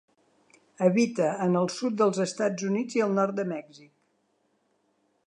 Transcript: Habita en el sud dels Estats Units i el nord de Mèxic.